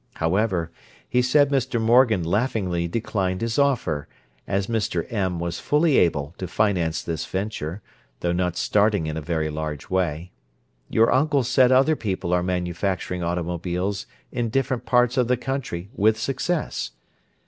However, he said Mr. Morgan laughingly declined his offer, as Mr. M. was fully able to finance this venture, though not starting in a very large way. Your uncle said other people are manufacturing automobiles in different parts of the country with success.